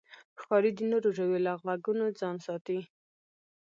ښکاري د نورو ژویو له غږونو ځان ساتي.